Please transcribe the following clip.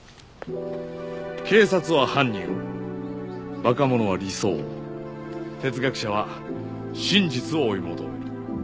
警察は犯人を若者は理想を哲学者は真実を追い求める。